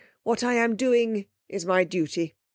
What I am doing is my duty.